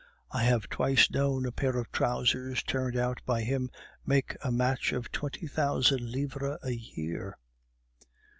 "I have twice known a pair of trousers turned out by him make a match of twenty thousand livres a year!"